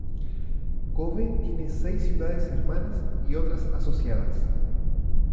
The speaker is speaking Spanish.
Kobe tiene seis ciudades hermanas y otras asociadas.